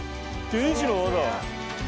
天使の輪だ。